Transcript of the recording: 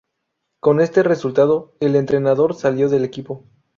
Con este resultado, el entrenador salió del equipo.